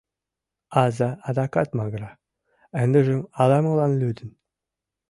Аза адакат магыра — ындыжым ала-молан лӱдын.